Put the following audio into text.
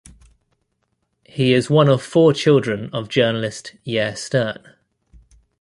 He is one of four children of journalist Yair Stern.